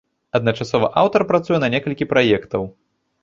Адначасова аўтар працуе на некалькі праектаў.